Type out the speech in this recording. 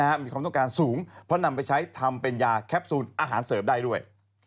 มีความต้องการสูงเพราะนำไปใช้ทำเป็นยาแคปซูลอาหารเสริมได้ด้วย